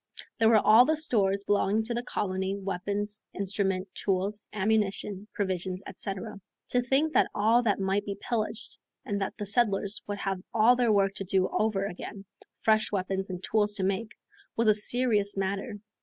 There were all the stores belonging to the colony, weapons, instruments, tools, ammunition, provisions, etc. To think that all that might be pillaged and that the settlers would have all their work to do over again, fresh weapons and tools to make, was a serious matter.